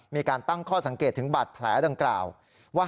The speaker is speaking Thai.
มีการตั้งข้อสังเกตถึงบาดแผลดังกล่าวว่า